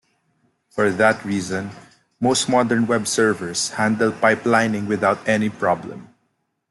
For that reason, most modern web servers handle pipelining without any problem.